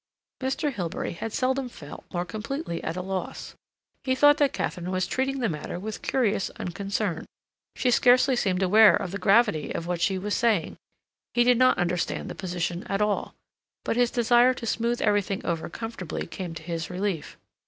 Mr. Hilbery had seldom felt more completely at a loss. He thought that Katharine was treating the matter with curious unconcern; she scarcely seemed aware of the gravity of what she was saying; he did not understand the position at all. But his desire to smooth everything over comfortably came to his relief.